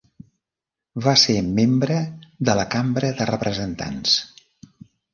Va ser membre de la Cambra de Representants.